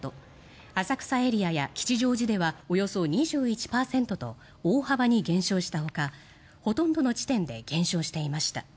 浅草エリアや吉祥寺ではおよそ２１％と大幅に減少したほかほとんどの地点で減少していました。